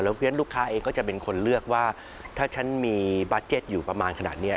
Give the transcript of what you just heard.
เพราะฉะนั้นลูกค้าเองก็จะเป็นคนเลือกว่าถ้าฉันมีบาร์เก็ตอยู่ประมาณขนาดนี้